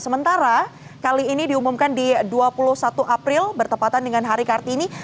sementara kali ini diumumkan di dua puluh satu april bertepatan dengan hari kartini